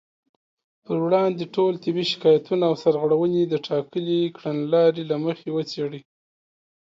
پر وړاندې ټول طبي شکايتونه او سرغړونې د ټاکلې کړنلارې له مخې وڅېړي